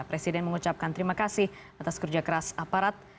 presiden mengucapkan terima kasih atas kerja keras aparat